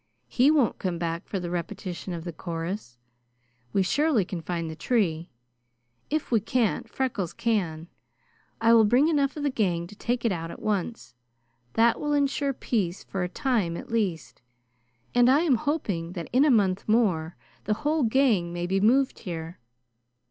He won't come back for the repetition of the chorus. We surely can find the tree. If we can't, Freckles can. I will bring enough of the gang to take it out at once. That will insure peace for a time, at least, and I am hoping that in a month more the whole gang may be moved here.